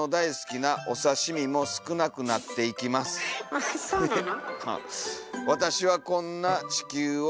あっそうなの？